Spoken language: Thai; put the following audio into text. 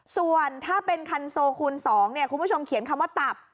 ส่วนถ้าเป็นคันโซคูณ๒คุณผู้ชมเขียนคำว่าตับ